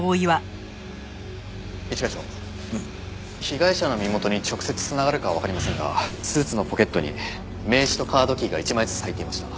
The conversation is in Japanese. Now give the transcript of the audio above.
被害者の身元に直接繋がるかわかりませんがスーツのポケットに名刺とカードキーが１枚ずつ入っていました。